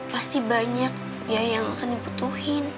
pasti banyak ya yang akan diputuhin